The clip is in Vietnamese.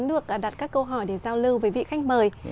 rất muốn được đặt các câu hỏi để giao lưu với vị khách mời